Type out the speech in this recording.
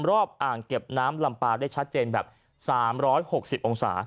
อ่างเก็บน้ำลำปาได้ชัดเจนแบบ๓๖๐องศา